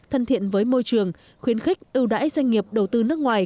thân thiện với môi trường khuyến khích ưu đãi doanh nghiệp đầu tư nước ngoài